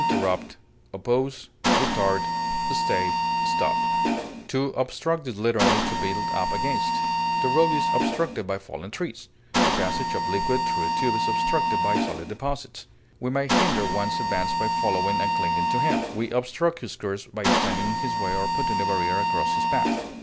barricade, clog, impede, retard, To obstruct is literally to build up against; the road is obstructed by fallen trees; the passage of liquid through a tube is obstructed by solid deposits. We may hinder one's advance by following and clinging to him; we obstruct his course by standing in his way or putting a barrier across his path.